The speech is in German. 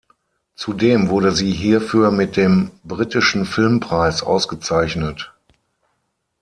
Zudem wurde sie hierfür mit dem Britischen Filmpreis ausgezeichnet.